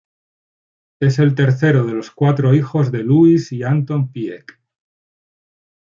Es el tercero de los cuatro hijos de Louise y Anton Piëch.